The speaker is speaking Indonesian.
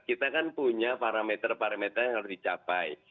kita kan punya parameter parameter yang harus dicapai